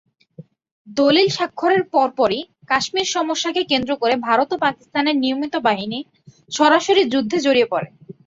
দলিল স্বাক্ষরের পরপরই কাশ্মীর সমস্যাকে কেন্দ্র করে ভারত ও পাকিস্তানের নিয়মিত বাহিনী সরাসরি যুদ্ধে জড়িয়ে পড়ে।